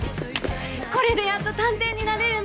これでやっと探偵になれるね。